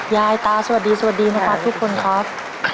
ยายตาสวัสดีสวัสดีนะครับทุกคนครับ